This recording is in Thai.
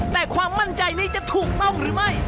แต่ความมั่นใจนี้จะถูกต้องหรือไม่